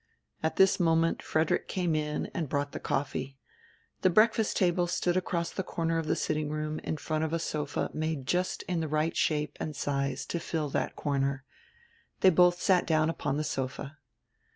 At this moment Frederick came in and brought die coffee. The breakfast table stood across die corner of die sitting room in front of a sofa made just in die right shape and size to fill diat corner. They bodi sat down upon die sofa.